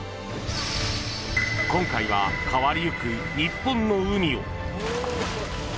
今回は変わりゆく日本の海を。